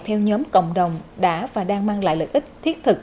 theo nhóm cộng đồng đã và đang mang lại lợi ích thiết thực